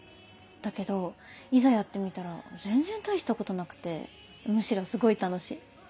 だけどいざやってみたら全然大したことなくてむしろすごい楽しい。